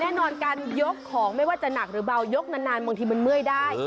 แน่นอนการยกของไม่ว่าจะหนักหรือเบายกนานบางทีมันเมื่อยได้